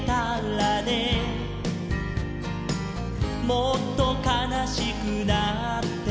「もっとかなしくなって」